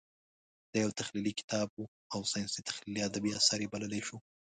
دا یو تخیلي کتاب و او ساینسي تخیلي ادبي اثر یې بللی شو.